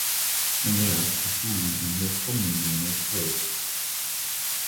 In Laos, the Hani are more commonly known as "Ho".